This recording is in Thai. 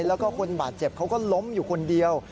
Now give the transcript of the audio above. แล้วก็คนบาดเจ็บเขาก็ล้มอยู่คนเดียว